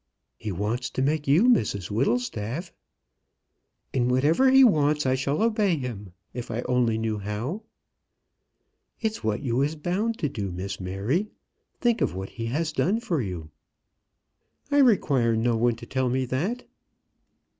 "He wants to make you Mrs Whittlestaff." "In whatever he wants I shall obey him, if I only knew how." "It's what you is bound to do, Miss Mary. Think of what he has done for you." "I require no one to tell me that."